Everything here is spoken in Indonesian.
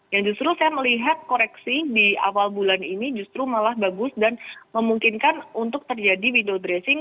yang justru saya melihat koreksi di awal bulan ini justru malah bagus dan memungkinkan untuk terjadi window dressing